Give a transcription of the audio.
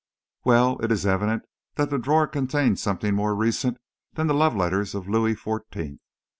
"Well, it is evident that the drawer contains something more recent than the love letters of Louis Fourteenth.